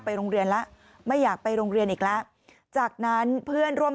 โรงเรียนแล้วไม่อยากไปโรงเรียนอีกแล้วจากนั้นเพื่อนร่วม